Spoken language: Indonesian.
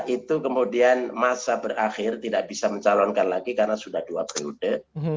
itu kemudian masa berakhir tidak bisa mencalonkan lagi karena sudah dua periode